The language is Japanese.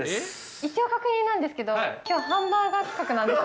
一応確認なんですけど、きょう、ハンバーガー企画なんですよ。